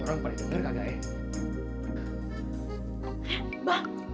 orang paling denger kagak ya